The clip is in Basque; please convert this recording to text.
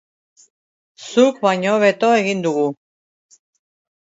Zuk baino hobeto egin dugu.